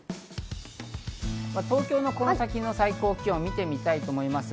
東京のこの先の最高気温を見てみたいと思います。